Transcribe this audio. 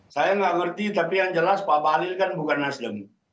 saya nggak ngerti tapi yang jelas pak bahlil kan bukan nasdem